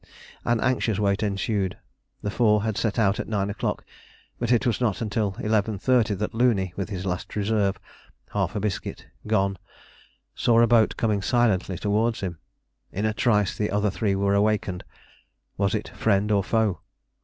An anxious wait ensued. The four had set out at 9 o'clock, but it was not till 11.30 that Looney, with his last reserve half a biscuit gone, saw a boat coming silently towards him. In a trice the other three were awakened. Was it friend or foe?